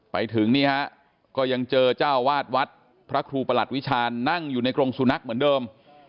ไปถึงนี่ฮะก็ยังเจอเจ้าวาดวัดพระครูประหลัดวิชาณนั่งอยู่ในกรงสุนัขเหมือนเดิม